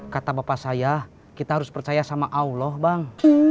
kata bapak saya kita harus percaya sama allah bang